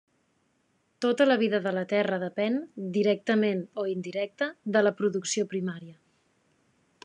Tota la vida de la Terra depèn, directament o indirecta, de la producció primària.